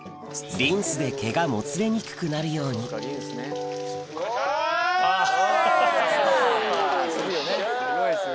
リンスで毛がもつれにくくなるようにわぁい！